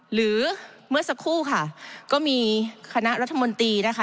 หรือเมื่อสักครู่ค่ะก็มีคณะรัฐมนตรีนะคะ